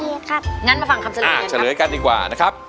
ดีครับงั้นมาฟังคำเสริมกันครับอ่าเฉลยกันดีกว่านะครับ